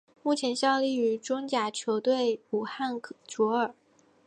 目前效力于中甲球队武汉卓尔。